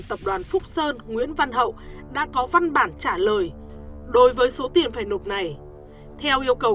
tập đoàn phúc sơn nguyễn văn hậu đã có văn bản trả lời đối với số tiền phải nộp này theo yêu cầu